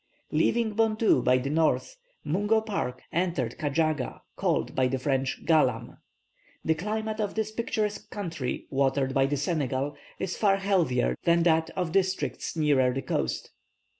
Leaving Bondou by the north, Mungo Park entered Kajaaga, called by the French Galam. The climate of this picturesque country, watered by the Senegal, is far healthier than that of districts nearer the coast.